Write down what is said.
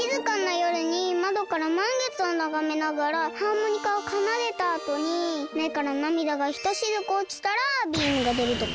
よるにまどからまんげつをながめながらハーモニカをかなでたあとにめからなみだがひとしずくおちたらビームがでるとか？